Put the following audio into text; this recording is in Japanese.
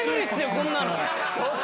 こんなの。